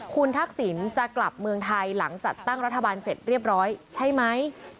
คุณทักษิณจะกลับเมืองไทยหลังจัดตั้งรัฐบาลเสร็จเรียบร้อยใช่ไหม